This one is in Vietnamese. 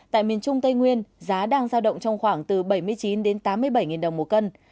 tại miền trung tây nguyên giá đang giao động trong khoảng từ bảy mươi chín đến tám mươi bảy đồng một cân